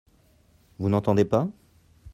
Vous n'entendez pas ?